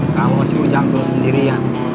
kamu masih ujang terus sendirian